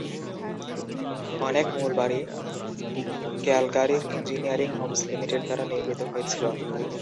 অনেক মূল বাড়ি ক্যালগারির ইঞ্জিনিয়ারিং হোমস লিমিটেড দ্বারা নির্মিত হয়েছিল।